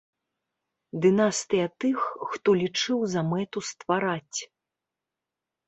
Дынастыя тых, хто лічыў за мэту ствараць.